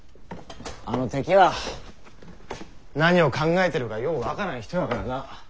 あのテキは何を考えてるかよう分からん人やからな。